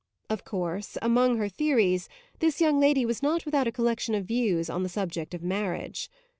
Of course, among her theories, this young lady was not without a collection of views on the subject of marriage.